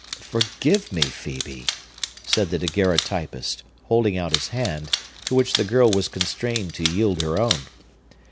"Forgive me, Phœbe!" said the daguerreotypist, holding out his hand, to which the girl was constrained to yield her own.